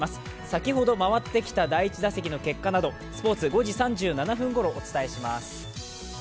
先ほど回ってきた第１打席の結果などスポーツ、５時３７分ごろお伝えします。